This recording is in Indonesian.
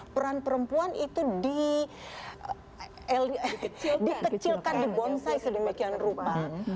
peran perempuan itu dikecilkan di bonsai sedemikian rupa